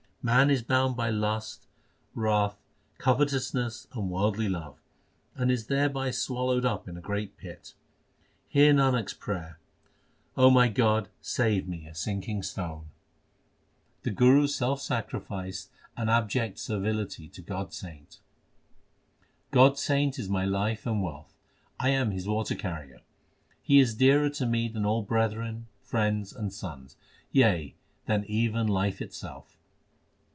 Man is bound by lust, wrath, covetousness, and worldly love, And is thereby swallowed up in a great pit. Hear Nanak s prayer O my God, save me, a sinking stone ! HYMNS OF GURU ARJAN 391 The Guru s self sacrifice and abject servility to God s saint : God s saint is my life and wealth ; I am his water carrier ; He is dearer to me than all brethren, friends, and sons, yea, than even life itself.